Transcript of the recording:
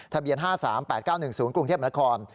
ทะเบียน๕๓๘๙๑๐กรุงเทพมนาคม